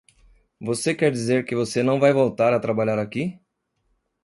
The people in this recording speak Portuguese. Você quer dizer que você não vai voltar a trabalhar aqui?